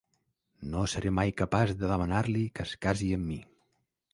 No seré mai capaç de demanar-li que es casi amb mi.